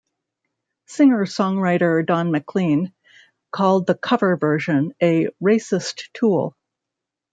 Singer-songwriter Don McLean called the cover version a "racist tool".